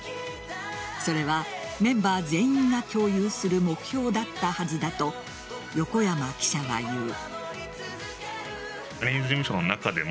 それはメンバー全員が共有する目標だったはずだと横山記者は言う。